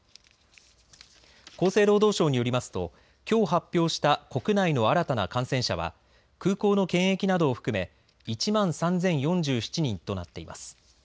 厚生労働省によりますときょう発表した国内の新たな感染者は空港の検疫などを含め１万３０４７人となっています。